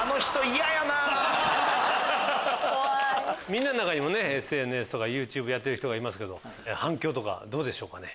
みんなの中にもＳＮＳとかＹｏｕＴｕｂｅやってる人がいますけど反響とかどうでしょうかね